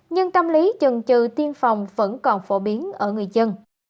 nhưng tâm lý trừng trừ tiêm phòng vẫn còn phổ biến ở người dân